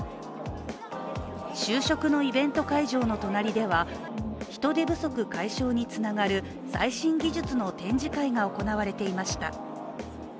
就職のイベント会場の隣では、人手不足解消につながる最新技術の展示会が行われていました。